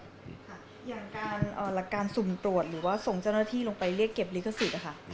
อย่างการสุ่มตรวจหรือว่าส่งเจ้าหน้าที่ลงไปเรียกเก็บลิขสิทธิ์